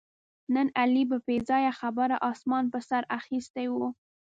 نن علي په بې ځایه خبره اسمان په سر اخیستی و